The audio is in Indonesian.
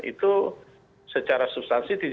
itu secara substansi